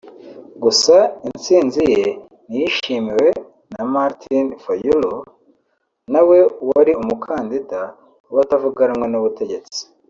Gusa intsinzi ye ntiyishimiwe na Martin Fayulu nawe wari umukandida w’abatavuga rumwe n’ubutegetsi